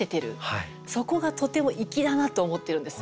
そこがとても粋だなと思ってるんです。